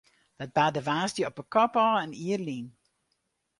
Dat barde woansdei op 'e kop ôf in jier lyn.